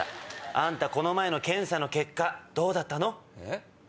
あんたこの前の検査の結果どうだったの？